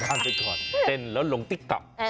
เต้นไปก่อนเต้นแล้วลงติ๊กปลับ